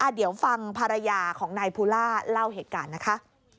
เดี๋ยวฟังภรรยาของนายภูล่าเล่าเหตุการณ์นะคะ